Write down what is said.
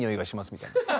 みたいな。